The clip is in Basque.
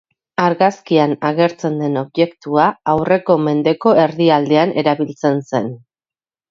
Argazkian agertzen den objektua aurreko mendeko erdialdean erabiltzen zen.